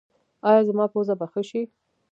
ایا زما پوزه به ښه شي؟